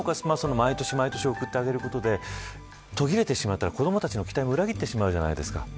毎年毎年贈ってあげることで途切れてしまったら子どもたちの期待を裏切ってしまうじゃないですか。